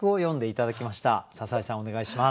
お願いします。